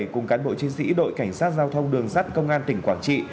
cùng cán bộ chiến sĩ đội cảnh sát giao thông đường sắt công an tỉnh quảng trị